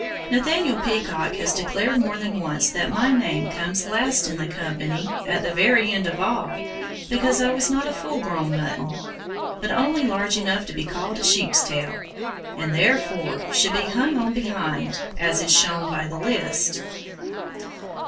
Nathaniel Peacock has declared more than once that my name comes last in the company at the very end of all, because I was not a full grown mutton; but only large enough to be called a sheep's tail, and therefore should be hung on behind, as is shown by the list.